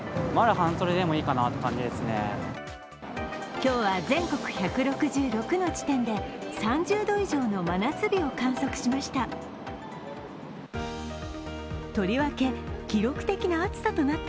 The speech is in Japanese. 今日は全国１６６の地点で３０度以上の真夏日を観測しました。